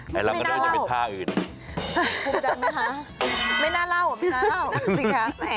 ไม่น่าเล่าภูมิดันไหมคะไม่น่าเล่าสิคะแหม่ง